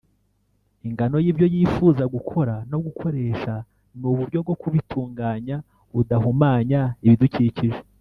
ingano y’ibyo yifuza gukora no gukoresha n’uburyo bwo kubitunganya budahumanya ibidukikije